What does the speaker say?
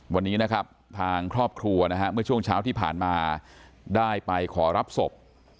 วันนี้นะครับทางครอบครัวนะฮะเมื่อช่วงเช้าที่ผ่านมาได้ไปขอรับศพ